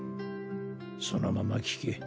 そのまま聞け。